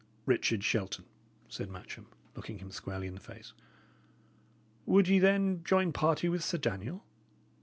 "Richard Shelton," said Matcham, looking him squarely in the face, "would ye, then, join party with Sir Daniel?